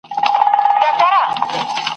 عُمر مي دي ستاسی، وايي بله ورځ..